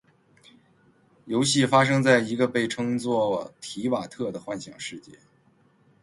游戏发生在一个被称作「提瓦特」的幻想世界。